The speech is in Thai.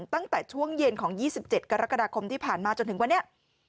ตั้งแต่ช่วงเย็นของ๒๗กรกฎาคมที่ผ่านมาจนถึงวันนี้